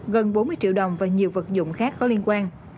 gần bốn mươi triệu đồng và nhiều vật dụng khác có liên quan